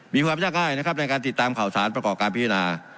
มีความยากง่ายนะครับในการติดตามข่าวสารประกอบการพิจารณา